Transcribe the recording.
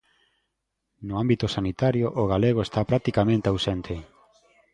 No ámbito sanitario o galego está practicamente ausente.